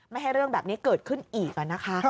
ไม่ให้เรื่องแบบนี้เกิดขึ้นอีกนะคะ